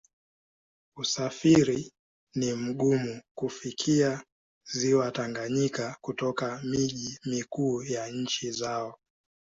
Usafiri ni mgumu kufikia Ziwa Tanganyika kutoka miji mikuu ya nchi zao.